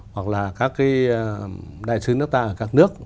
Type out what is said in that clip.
hoặc là các cái đại sứ nước ta ở các nước